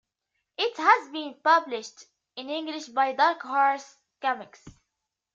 It has been published in English by Dark Horse Comics.